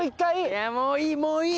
いやもういいもういい。